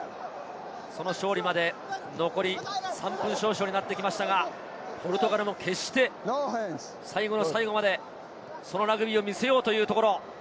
その勝利まで残り３分少々になってきましたが、ポルトガルも決して最後の最後までそのラグビーを見せようというところ。